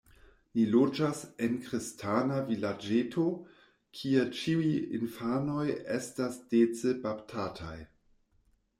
Ni loĝas en kristana vilaĝeto, kie ĉiuj infanoj estas dece baptataj.